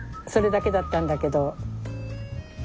それだけだったんだけど。